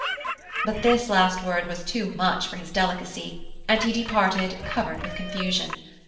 But this last word was too much for his delicacy, and he departed covered with confusion.